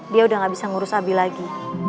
dia udah gak bisa ngurus abi lagi